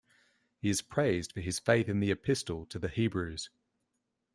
He is praised for his faith in the Epistle to the Hebrews.